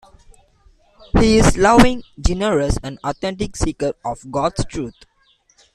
He is a loving, generous, and authentic seeker of God's truth.